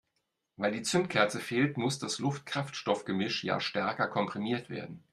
Weil die Zündkerze fehlt, muss das Luft-Kraftstoff-Gemisch ja stärker komprimiert werden.